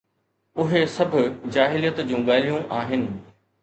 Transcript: اهي سڀ جاهليت جون ڳالهيون آهن